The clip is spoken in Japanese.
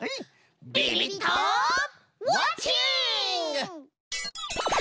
ビビッとウォッチング！